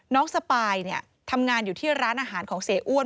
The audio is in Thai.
สปายทำงานอยู่ที่ร้านอาหารของเสียอ้วน